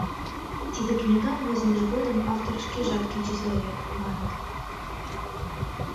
Тиде книгам возымыж годым автор шкежат кӱчызӧ ыле, маныт.